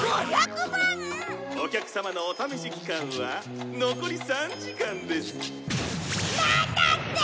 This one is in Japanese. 「お客様のお試し期間は残り３時間です」なんだって！？